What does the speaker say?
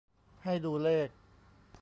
ให้ดูเลข